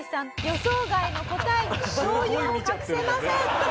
予想外の答えに動揺を隠せません」